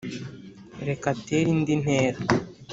reka atere indi ntera